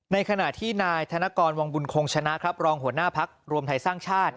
ในขณะที่นายธนกรวังบุญคงชนะครับรองหัวหน้าพักรวมไทยสร้างชาติ